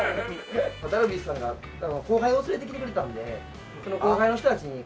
ダルビッシュさんが後輩を連れてきてくれたんでその後輩の人たちにこう。